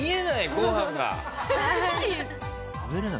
ご飯が。